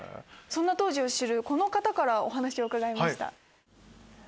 その当時を知るこの方からお話を伺いました。